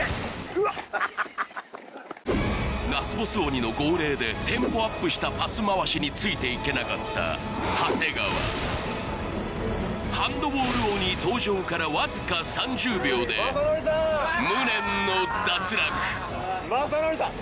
うわっラスボス鬼の号令でテンポアップしたパス回しについていけなかった長谷川ハンドボール鬼登場からわずか３０秒で無念の脱落まさのりさん！